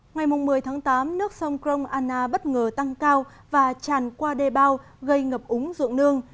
ngày một mươi tháng tám nước sông krong anna bất ngờ tăng cao và tràn qua đê bao gây ngập úng dưỡng nương